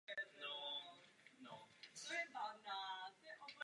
Umí také spojit program v Basicu a část paměti do jednoho bloku.